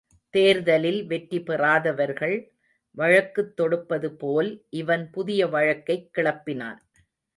தேர்தலில் வெற்றி பெறாதவர்கள் வழக்குத் தொடுப்பது போல் இவன் புதிய வழக்கைக் கிளப்பினான்.